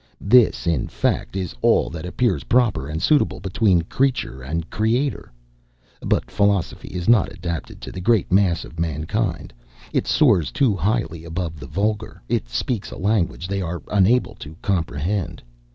This, in fact, is all that appears proper and suitable between creature and Creator. But philosophy is not adapted to the great mass of mankind; it soars too highly above the vulgar; it speaks a language they are unable to comprehend.